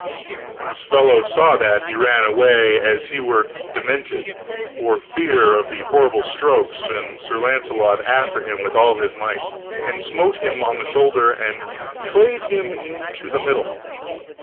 When his fellow saw that, he ran away as he were wood [*demented], for fear of the horrible strokes, and Sir Launcelot after him with all his might, and smote him on the shoulder, and clave him to the middle.